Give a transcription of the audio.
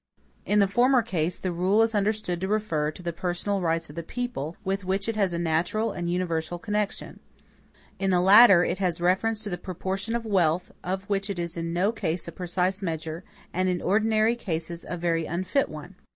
In the former case, the rule is understood to refer to the personal rights of the people, with which it has a natural and universal connection. In the latter, it has reference to the proportion of wealth, of which it is in no case a precise measure, and in ordinary cases a very unfit one.